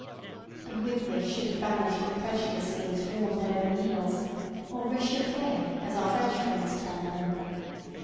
And with this should have vanished the prejudice against warmed over mealsŌĆöor r├®chauff├®s, as our French friends term them.